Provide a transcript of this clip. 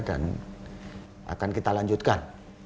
dan akan kita lanjutkan